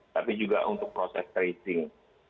tapi juga untuk proses tracing